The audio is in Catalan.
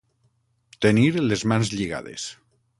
Tenir les mans lligades.